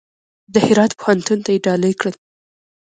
د هرات پوهنتون ته یې ډالۍ کړل.